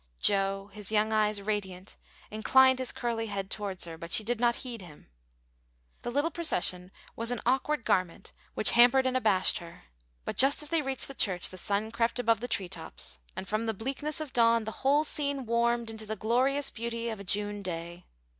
Joe, his young eyes radiant, inclined his curly head towards her, but she did not heed him. The little procession was as an awkward garment which hampered and abashed her; but just as they reached the church the sun crept above the tree tops, and from the bleakness of dawn the whole scene warmed into the glorious beauty of a June day.